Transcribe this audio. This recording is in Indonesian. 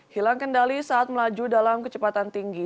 hilang kendali saat melaju dalam kecepatan tinggi